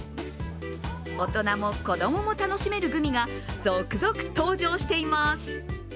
大人も子供も楽しめるグミが続々登場しています。